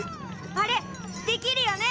あれできるよね！